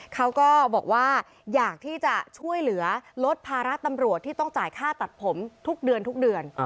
เขาก็บอกว่าอยากที่จะช่วยเหลือลดภาระตำรวจที่ต้องจ่ายค่าตัดผมทุกเดือนทุกเดือน